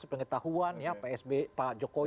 pengetahuan ya pak sbe pak jokowi